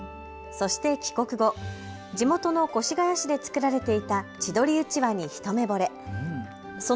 そして帰国後、地元の越谷市で作られていた千鳥うちわに一目ぼれ。